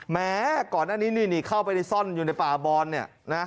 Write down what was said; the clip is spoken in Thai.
แม้ก่อนหน้านี้นี่เข้าไปซ่อนอยู่ในป่าบอนเนี่ยนะ